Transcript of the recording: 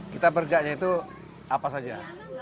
kita bergeraknya itu apa saja